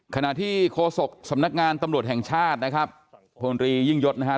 ขณะที่โฆษกสำนักงานตำรวจแห่งชาตินะครับพลตรียิ่งยศนะฮะ